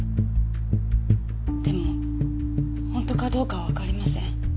でも本当かどうかはわかりません。